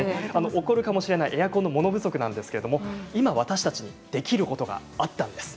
起こるかもしれないエアコンの物不足ですが今、私たちにできることがあったんです。